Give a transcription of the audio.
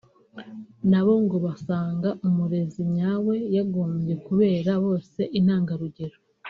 na bo ngo basanga umurezi nyawe yagombye kubera bose intangarugero